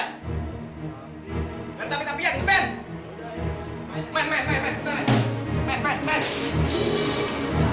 nggak ada tapi tapian nge ban